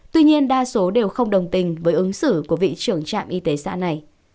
tuy nhiên đa số đều không đồng tình với ứng xử của vị trưởng trạm y tế xã này